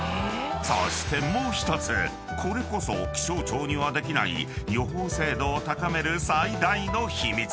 ［そしてもう１つこれこそ気象庁にはできない予報精度を高める最大の秘密。